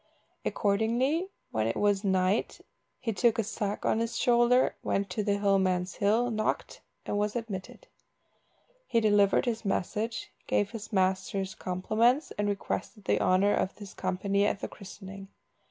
Accordingly, when it was night, he took a sack on his shoulder, went to the hill man's hill, knocked, and was admitted. He delivered his message, gave his master's compliments, and requested the honour of his company at the christening.